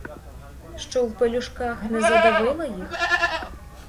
Що в пелюшках не задавила їх?!